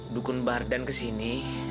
dukun bardan kesini